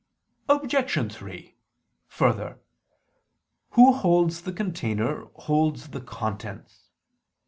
Obj. 3: Further, who holds the container holds the contents.